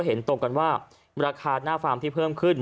เห็นตรงกันว่าราคาหน้าฟาร์มที่เพิ่มขึ้น